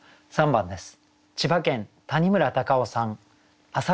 ３番です。